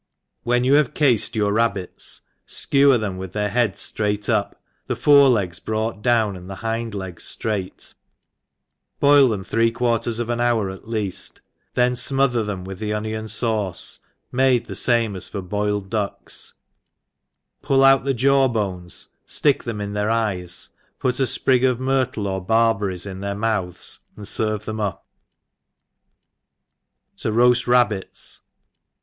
WHEN you have cafed your rabbits, (kewer them with their heads ftraight up, the fore legs brought down, and the hind legs ftraight, boil them three quarters of an hour at leaft, then fmother them with onion fauce, made the fame as for boiled ducks, pull out the jaw bones, ftick them in their eyes, put a fprig of myrtle or bar berries in their mouth^s, and ferve them up. jTa r^^ Rabbits.